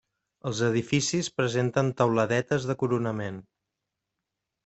Els edificis presenten teuladetes de coronament.